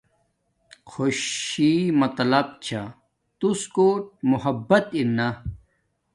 خوشی مطلب چھا توس کوٹ محبت ارنا